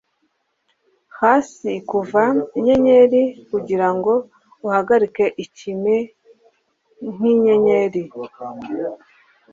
Hasi kuva inyenyeri kugirango uhagarike ikime nkinyenyeri.